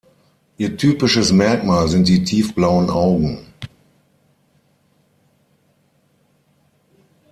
Ihr typisches Merkmal sind die tiefblauen Augen.